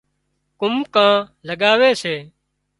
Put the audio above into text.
قومڪان لڳاوي سي